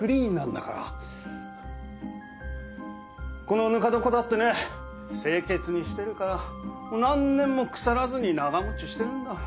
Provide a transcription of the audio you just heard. このぬか床だってね清潔にしてるから何年も腐らずに長持ちしてるんだ。